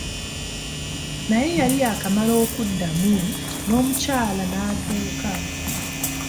Naye yali yaakamala okuddamu, n'omukyala n'atuuka.